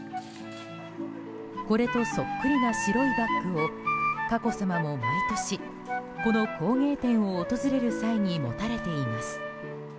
これとそっくりな白いバッグを佳子さまも毎年、この工芸展を訪れる際に持たれています。